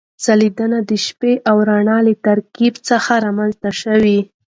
ځلېدنه د شپې او رڼا له ترکیب څخه رامنځته شوې.